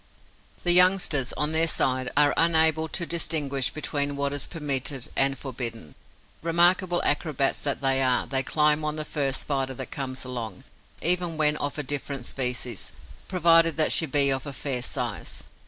The youngsters, on their side, are unable to distinguish between what is permitted and forbidden. Remarkable acrobats that they are, they climb on the first Spider that comes along, even when of a different species, provided that she be of a fair size.